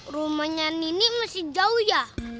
rumahnya nini masih jauh ya